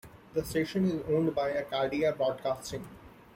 The station is owned by Acadia Broadcasting.